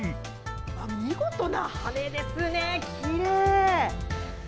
見事な羽根ですね、きれい。